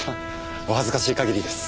お恥ずかしい限りです。